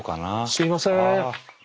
すいません